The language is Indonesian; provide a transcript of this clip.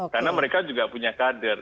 karena mereka juga punya kader